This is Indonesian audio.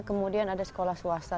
kemudian ada sekolah swasta